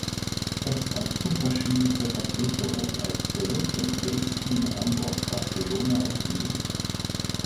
Es folgten verschiedenste Verpflichtungen als Solist in Dresden, Hamburg, Barcelona und Wien.